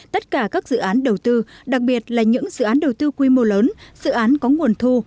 tất cả các dự án đầu tư đặc biệt là những dự án đầu tư quy mô lớn dự án có nguồn thu